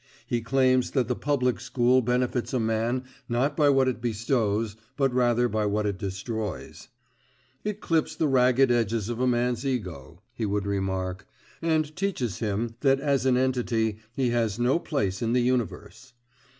He claims that the Public School benefits a man not by what it bestows; but rather by what it destroys. "It clips the ragged edges of a man's ego," he would remark, "and teaches him that as an entity he has no place in the universe."